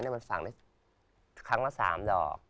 มันฝังได้ครั้งละ๓ดอก